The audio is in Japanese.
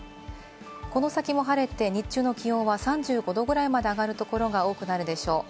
この先も晴れて日中の気温は３５度ぐらいまで上がるところが多くなるでしょう。